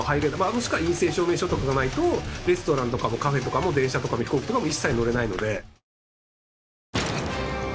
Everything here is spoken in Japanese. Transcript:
もしくは陰性証明書とかがないとレストランとかもカフェとかも電車とかも飛行機とかも一切乗れないので。